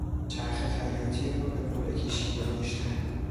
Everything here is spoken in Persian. چرخ خیاطی را به قرعه کشی گذاشتن